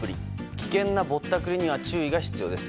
危険なぼったくりには注意が必要です。